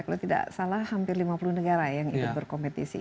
kalau tidak salah hampir lima puluh negara yang ikut berkompetisi